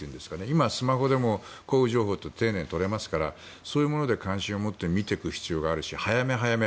今、スマホでも降雨情報って丁寧に取れますからそういうもので関心を持って見ていく必要がありますし早め早め。